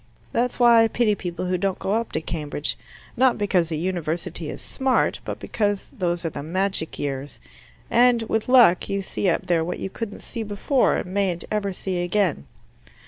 That's why I pity people who don't go up to Cambridge: not because a University is smart, but because those are the magic years, and with luck you see up there what you couldn't see before and mayn't ever see again.